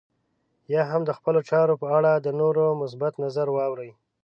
يا هم د خپلو چارو په اړه د نورو مثبت نظر واورئ.